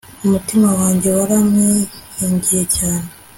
umutima wanjye waramwiringiye cyane